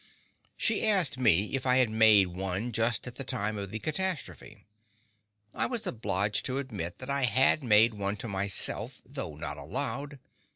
She asked me if I had made one just at the time of the catastrophe. I was obliged to admit that I had made one to myself, though not aloud.